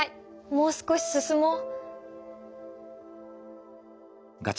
もう少し進もう。